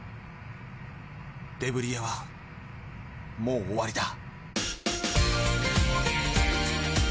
デブリ屋はもう終わりだ。